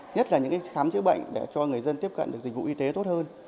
nhất là những khám chữa bệnh để cho người dân tiếp cận được dịch vụ y tế tốt hơn